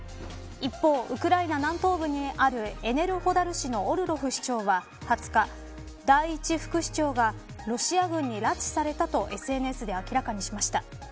一方、ウクライナ南東部にあるエネルホダル市のオルロフ市長は２０日第１副市長がロシア軍に拉致されたとＳＮＳで明らかにしました。